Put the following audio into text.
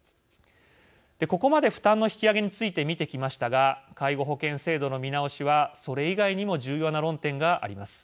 ここまで負担の引き上げについて見てきましたが介護保険制度の見直しはそれ以外にも重要な論点があります。